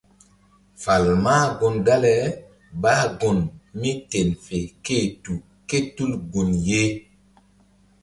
Fal mah gun dale bah gun míten fe ké-e tu ké tul gun ye.